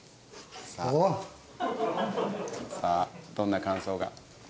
さあどんな感想が。